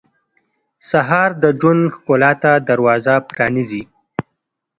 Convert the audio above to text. سهار د ژوند ښکلا ته دروازه پرانیزي.